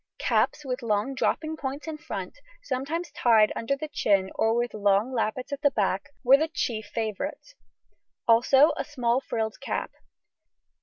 Caps, with long dropping points in front, sometimes tied under the chin or with long lappets at the back, were the chief favourites, also a small frilled cap.